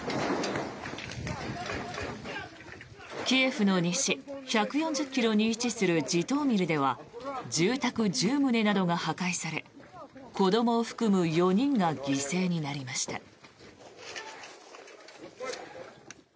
キエフの西１４０ｋｍに位置するジトーミルでは住宅１０棟などが破壊され子どもを含む４人が犠牲になりました。